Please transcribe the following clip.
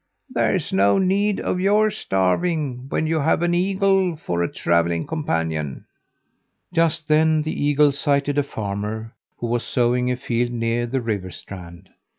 There's no need of your starving when you have an eagle for a travelling companion." Just then the eagle sighted a farmer who was sowing a field near the river strand.